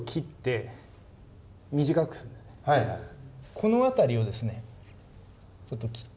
この辺りをですねちょっと切って。